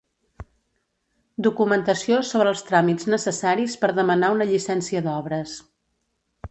Documentació sobre els tràmits necessaris per demanar una llicència d'obres.